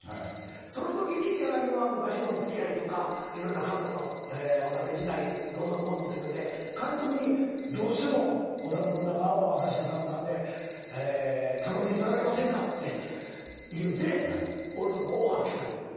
そのときに柳葉は昔のお付き合いとかいろんな過去の若手時代どうのこうのというので監督にどうしても織田信長を明石家さんまさんで頼んでいただけませんかって言うて俺んとこオファー来たのよ。